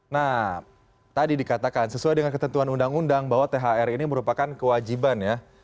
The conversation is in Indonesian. nah tadi dikatakan sesuai dengan ketentuan undang undang bahwa thr ini merupakan kewajiban ya